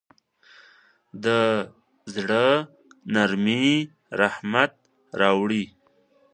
د زړه نرمي رحمت راوړي.